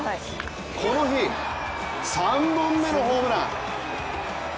この日３本目のホームラン。